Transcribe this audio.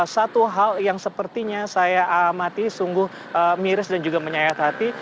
satu hal yang sepertinya saya amati sungguh miris dan juga menyayat hati